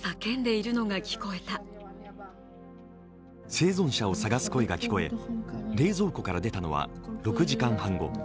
生存者を探す声が聞こえ、冷蔵庫から出たのは６時間半後。